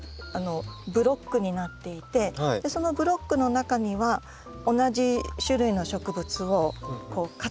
ブロックになっていてそのブロックの中には同じ種類の植物を固まりで植えてるんですね。